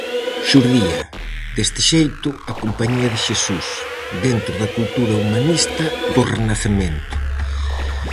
Xurdía, deste xeito, a Compañía de Xesús, dentro da cultura humanista do Renacemento.